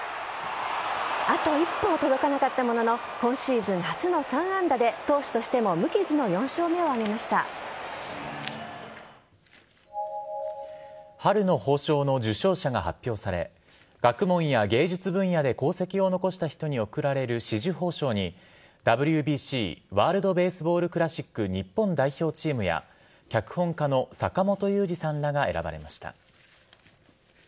あと一歩届かなかったものの今シーズン初の３安打で投手としても春の褒章の受章者が発表され学問や芸術分野で功績を残した人に贈られる紫綬褒章にＷＢＣ＝ワールド・ベースボール・クラシック日本代表チームや脚本家の坂元裕二さんらが選ばれました。